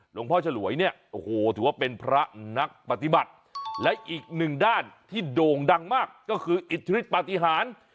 ฉลวยเนี่ยโอ้โหถือว่าเป็นพระนักปฏิบัติและอีกหนึ่งด้านที่โด่งดังมากก็คืออิทธิฤทธปฏิหาร